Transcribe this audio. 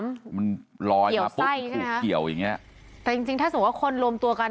มันลอยมาปุ๊บถูกเกี่ยวอย่างเงี้ยแต่จริงจริงถ้าสมมุติว่าคนรวมตัวกัน